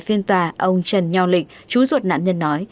phiên tòa ông trần nho lịch chú ruột nạn nhân nói